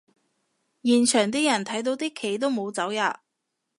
現場啲人睇到啲旗都冇走吖